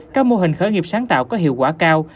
các mô hình khởi nghiệp sáng tạo có hiệu quả cao